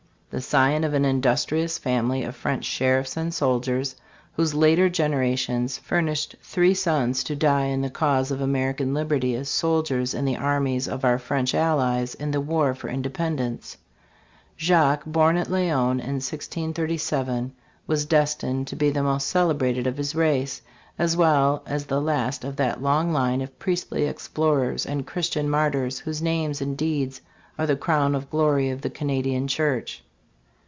The scion of an illustrious family of French sheriffs and soldiers, whose later genera tions furnished three sons to die in the cause of American liberty as soldiers in the armies of our French allies in the War for Independence, Jacques, born at Laon in 1637, was destined to be the most celebrated of his race, as well as the last of that long line of priestly explorers and Christian martyrs whose names and deeds are the crown of glory of the Canadian church.